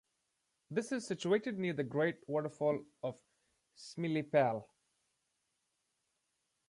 This is situated near the great waterfalls of Similipal.